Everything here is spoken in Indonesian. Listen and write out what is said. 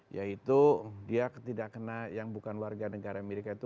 yaitu dia tidak kena yang bukan warga negara amerika itu